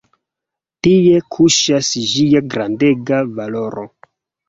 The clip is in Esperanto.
Tie kuŝas ĝia grandega valoro.